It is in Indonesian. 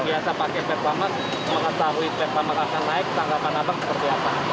biasa pakai pertamax mau ketahui pertamax akan naik tanggapan anda seperti apa